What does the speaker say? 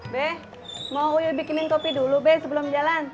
be mau uyui bikinin kopi dulu be sebelum jalan